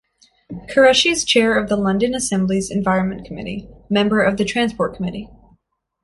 Qureshi is Chair of the London Assembly's Environment Committee, Member of the Transport Committee.